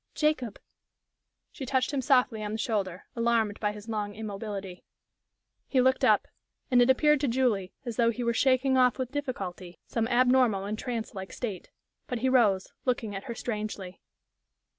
"Jacob!" She touched him softly on the shoulder, alarmed by his long immobility. He looked up, and it appeared to Julie as though he were shaking off with difficulty some abnormal and trancelike state. But he rose, looking at her strangely.